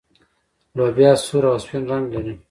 لوبیا سور او سپین رنګ لري.